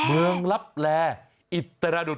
เมืองลับแร่อุตรดิต